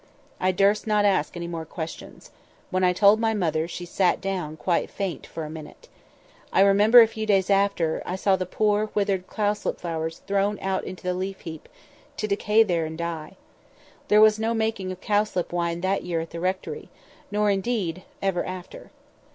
"I durst not ask any more questions. When I told my mother, she sat down, quite faint, for a minute. I remember, a few days after, I saw the poor, withered cowslip flowers thrown out to the leaf heap, to decay and die there. There was no making of cowslip wine that year at the rectory—nor, indeed, ever after.